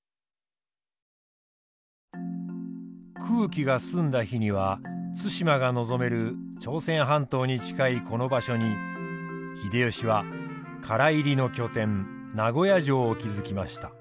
空気が澄んだ日には対馬が望める朝鮮半島に近いこの場所に秀吉は唐入りの拠点名護屋城を築きました。